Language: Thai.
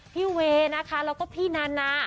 พี่เว้นะคะแล้วก็พี่นา